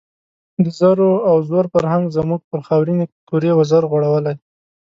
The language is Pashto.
د زرو او زور فرهنګ زموږ پر خاورینې کُرې وزر غوړولی.